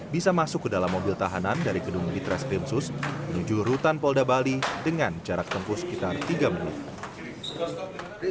bisa masuk ke dalam mobil tahanan dari gedung ditreskrimsus menuju rutan polda bali dengan jarak tempuh sekitar tiga menit